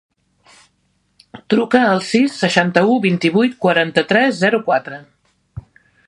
Truca al sis, seixanta-u, vint-i-vuit, quaranta-tres, zero, quatre.